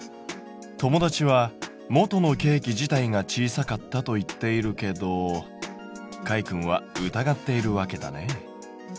友達は「元のケーキ自体が小さかった」と言っているけどかいくんは疑っているわけだね。